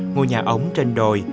ngôi nhà ống trên đồi